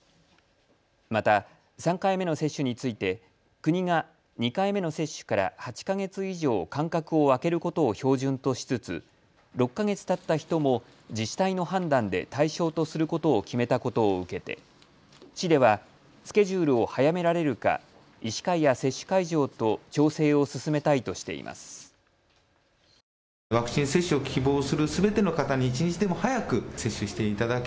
また３回目の接種について国が、２回目の接種から８か月以上、間隔を空けることを標準としつつ６か月たった人も自治体の判断で対象とすることを決めたことを受けて市ではスケジュールを早められるか医師会や接種会場と調整を進めたいとしています。